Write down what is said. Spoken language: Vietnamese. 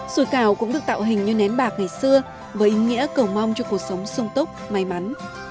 sủi cảo cũng được tạo hình như nén bạc ngày xưa với ý nghĩa cầu mong cho cuộc sống sung túc may mắn